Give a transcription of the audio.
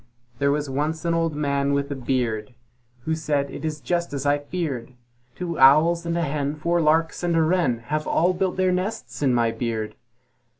There was once an Old Man with a beard, Who said, "It is just as I feared! Two Owls and a Hen, Four Larks and a Wren Have all built their nests in my beard."